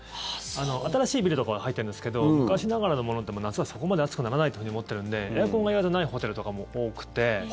新しいビルとかは入ってるんですけど昔ながらのものって夏はそこまで暑くならないと思っているのでエアコンが意外とないホテルとかも多くて。